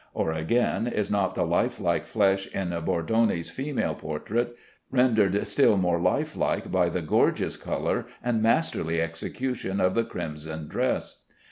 Or, again, is not the life like flesh in Bordoni's female portrait rendered still more life like by the gorgeous color and masterly execution of the crimson dress?